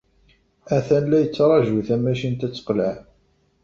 Atan la yettṛaju tamacint ad teqleɛ.